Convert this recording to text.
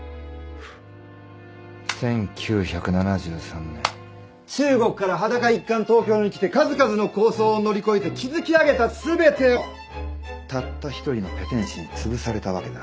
１９７３年中国から裸一貫東京に来て数々の抗争を乗り越えて築き上げた全てをたった１人のペテン師につぶされたわけだ。